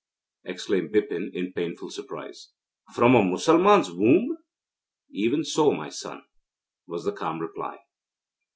exclaimed Bipin in painful surprise. 'From a Musalman's womb?' 'Even so, my son,' was the calm reply.